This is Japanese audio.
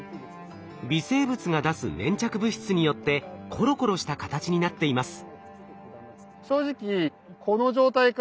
微生物が出す粘着物質によってコロコロした形になっています。